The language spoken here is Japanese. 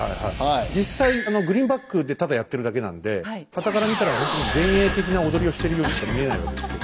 実際グリーンバックでただやってるだけなんではたから見たらほんとに前衛的な踊りをしてるようにしか見えないわけですけど。